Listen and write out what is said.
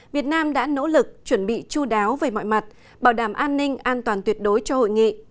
việt nam đã nỗ lực chuẩn bị chú đáo về mọi mặt bảo đảm an ninh an toàn tuyệt đối cho hội nghị